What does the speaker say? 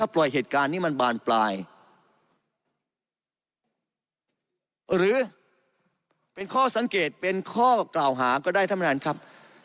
เป็นข้อสังเกตเป็นข้อกล่าวหาก็ได้ธรรมดาลังครับ